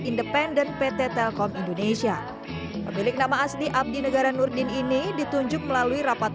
independen pt telkom indonesia pemilik nama asli abdi negara nurdin ini ditunjuk melalui rapat